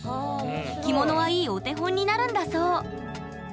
着物はいいお手本になるんだそう。